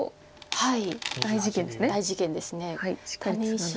はい。